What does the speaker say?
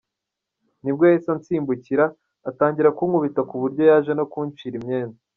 Nibwo yahise ansimbukira atangira kunkubita ku buryo yaje no kuncira imyenda.